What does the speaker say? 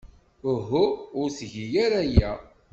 Uhu. Ur tgi ara aya.